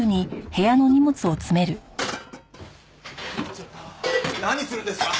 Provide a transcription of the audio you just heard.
ちょっと何するんですか！